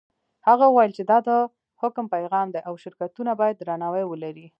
هغه وویل چې دا د حکم پیغام دی او شرکتونه باید درناوی ولري.